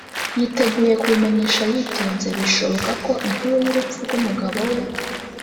yiteguye kumumenyesha yitonze bishoboka ko inkuru y'urupfu rw'umugabo we.